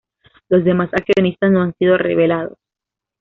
Los demás accionistas no han sido revelados.